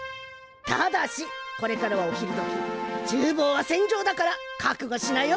ただしこれからはお昼どきちゅうぼうは戦場だからかくごしなよ。